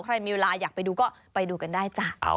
เวลามีเวลาอยากไปดูก็ไปดูกันได้จ้ะ